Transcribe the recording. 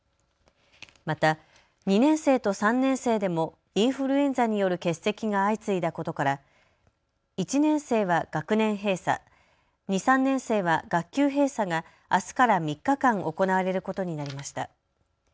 また２年生と３年生でもインフルエンザによる欠席が相次いだことから１年生は学年閉鎖、２、３年生は学級閉鎖があすから３日間、行われることになりました。